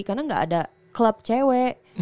karena nggak ada klub cewek